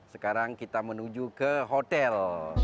sekarang kita menuju ke hotel